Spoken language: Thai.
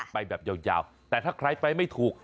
ไปแบบยาวแต่ถ้าใครไปไม่ถูก